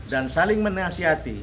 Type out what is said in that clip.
dan saling menasihati